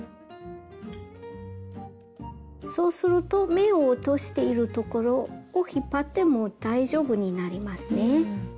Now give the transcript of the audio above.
そうすると目を落としているところを引っ張っても大丈夫になりますね。